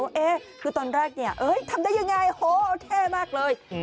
ว่าเอ๊ะคือตอนแรกทำได้อย่างไรโหเท่มากเลย